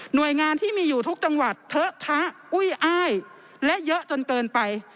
โดยงานที่มีอยู่ทุกจังหวัดเถอะคะอุ้ยอ้ายและเยอะจนเกินไป